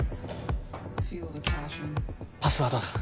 パスワードだ。